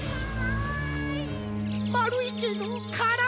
まるいけどからい。